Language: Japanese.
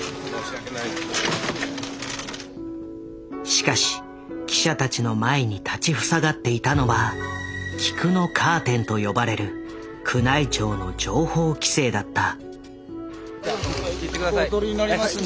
しかし記者たちの前に立ち塞がっていたのは「菊のカーテン」と呼ばれる宮内庁の情報規制だった。